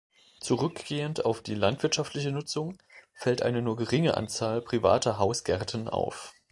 Zurückgehend auf die landwirtschaftliche Nutzung fällt eine nur geringe Anzahl privater Hausgärten auf.